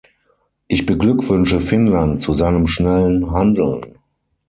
Ich beglückwünsche Finnland zu seinem schnellen Handeln.